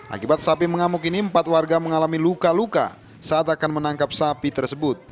akibat sapi mengamuk ini empat warga mengalami luka luka saat akan menangkap sapi tersebut